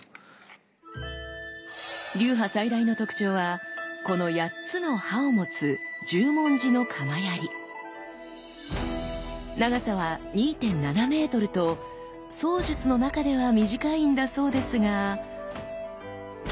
流派最大の特徴はこの８つの刃を持つ長さは２．７メートルと槍術の中では短いんだそうですが。